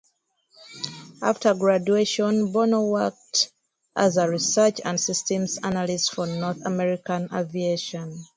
After graduation, Bono worked as a research and systems analyst for North American Aviation.